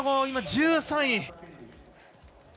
今、１３位。